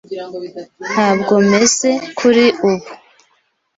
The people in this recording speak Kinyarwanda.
Ntabwo meze kuri ubu.